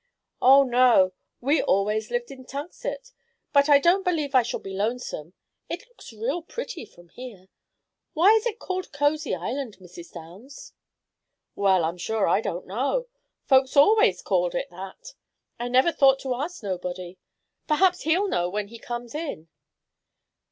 "Oh, no; we always lived in Tunxet. But I don't believe I shall be lonesome. It looks real pretty from here. Why is it called Cosy Island, Mrs. Downs?" "Well, I'm sure I don't know. Folks always called it that. I never thought to ask nobody. Perhaps he'll know when he comes in."